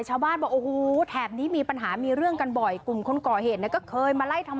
ชาวบ้านบอกโอ้โหแถบนี้มีปัญหามีเรื่องกันบ่อย